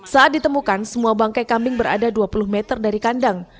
saat ditemukan semua bangkai kambing berada dua puluh meter dari kandang